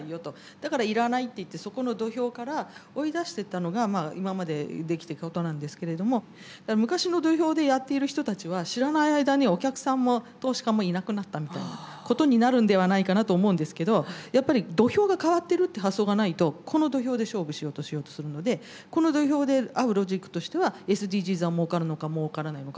だからいらないって言ってそこの土俵から追い出してったのが今までできたことなんですけれども昔の土俵でやっている人たちは知らない間にお客さんも投資家もいなくなったみたいなことになるんではないかなと思うんですけどやっぱり土俵が変わってるっていう発想がないとこの土俵で勝負しようとするのでこの土俵で合うロジックとしてはＳＤＧｓは儲るのか儲らないのか。